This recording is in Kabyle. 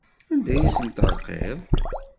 Anda ay asent-terqiḍ?